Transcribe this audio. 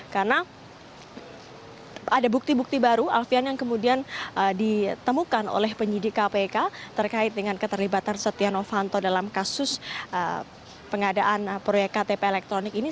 karena ada bukti bukti baru alfian yang kemudian ditemukan oleh penyidik kpk terkait dengan keterlibatan setia novanto dalam kasus pengadaan proyek ktp elektronik ini